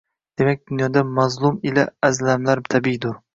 Demak, dunyoda mazlum ila azlamlar tabiiydur